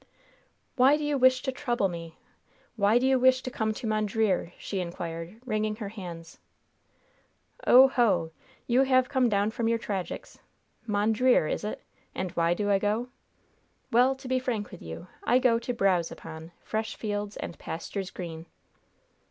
"Why do you wish to trouble me? Why do you wish to come to Mondreer?" she inquired, wringing her hands. "Oh, ho! You have come down from your tragics. Mondreer, is it? And why do I go? Well, to be frank with you, I go to browse upon "'Fresh fields and pastures green.'"